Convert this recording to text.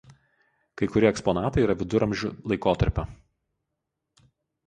Kai kurie eksponatai yra Viduramžių laikotarpio.